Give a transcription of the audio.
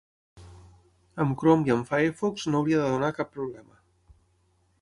Amb Chrome i amb Firefox no hauria de donar cap problema.